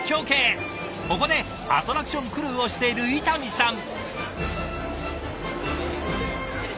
ここでアトラクションクルーをしている伊丹さん。